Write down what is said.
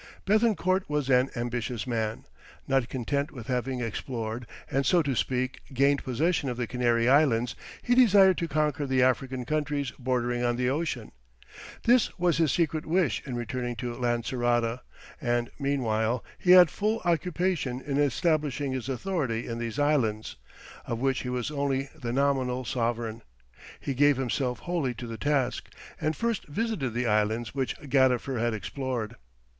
Béthencourt was an ambitious man. Not content with having explored, and so to speak, gained possession of the Canary Islands, he desired to conquer the African countries bordering on the ocean. This was his secret wish in returning to Lancerota, and meanwhile, he had full occupation in establishing his authority in these islands, of which he was only the nominal sovereign. He gave himself wholly to the task, and first visited the islands which Gadifer had explored.